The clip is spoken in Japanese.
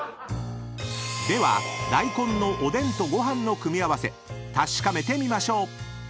［では大根のおでんとご飯の組み合わせ確かめてみましょう］